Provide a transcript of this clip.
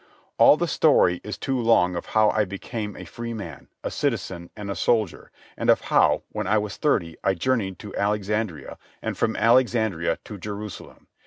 All the story is too long of how I became a freeman, a citizen, and a soldier, and of how, when I was thirty, I journeyed to Alexandria, and from Alexandria to Jerusalem.